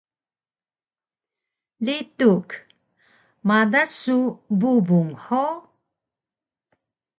Lituk: Madas su bubung hug?